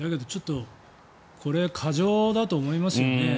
だけど、ちょっとこれ過剰だと思いますよね。